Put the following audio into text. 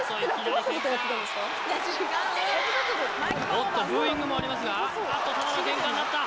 おっとブーイングもありますがただのケンカになった